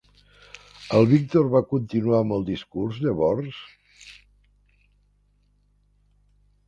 El Víctor va continuar amb el discurs llavors?